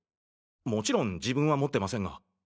もちろん自分は持ってませんが。